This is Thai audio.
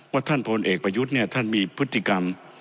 ท่านพลเอกประยุทธ์เนี่ยท่านมีพฤติกรรม